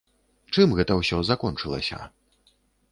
Чым гэта ўсё закончылася?